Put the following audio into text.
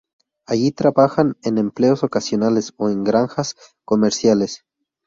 Allí trabajan en empleos ocasionales o en granjas comerciales.